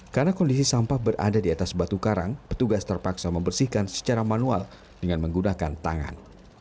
karena kondisi sampah berada di atas batu karang petugas terpaksa membersihkan secara manual dengan menggunakan tangan